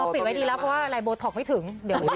ปิดไว้ดีแล้วเพราะไลน์โบท็อกไม่ถึง